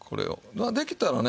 まあできたらね